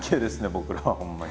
僕らはほんまに。